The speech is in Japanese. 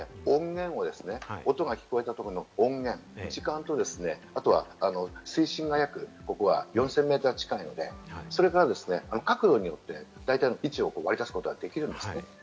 それは音が聞こえたところの音源、時間と、あとは水深がここは大体４０００メートル近くなので、それが角度によって大体、位置を割り出すことができるんですね。